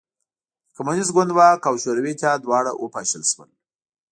د کمونېست ګوند واک او شوروي اتحاد دواړه وپاشل شول